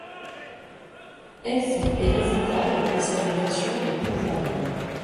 F est réfutable et sa négation est prouvable.